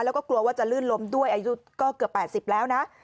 แล้วก็กลัวว่าจะลื่นล้มด้วยอายุก็เกือบ๘๐แล้วนะ